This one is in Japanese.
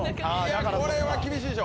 これは厳しいでしょ。